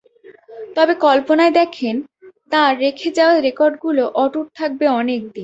তবে কল্পনায় দেখেন, তাঁর রেখে যাওয়া রেকর্ডগুলো অটুট থাকবে অনেক দিন।